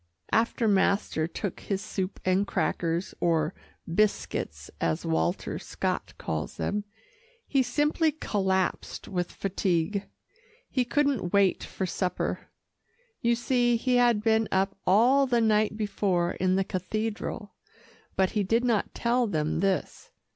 After master took his soup and crackers, or "biscuits," as Walter Scott calls them, he simply collapsed with fatigue. He couldn't wait for supper. You see he had been up all the night before in the cathedral, but he did not tell them this.